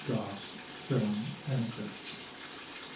GOUGH'S THRILLING ANECDOTES.